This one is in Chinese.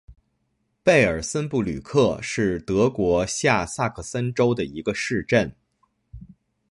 贝尔森布吕克是德国下萨克森州的一个市镇。